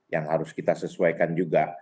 yang harus kita sesuaikan juga